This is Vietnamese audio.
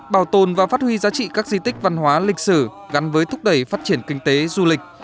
bảo tồn và phát huy giá trị các di tích văn hóa lịch sử gắn với thúc đẩy phát triển kinh tế du lịch